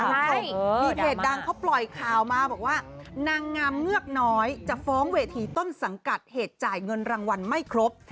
ใช่มีเพจดังเขาปล่อยข่าวมาบอกว่านางงามเงือกน้อยจะฟ้องเวทีต้นสังกัดเหตุจ่ายเงินรางวัลไม่ครบ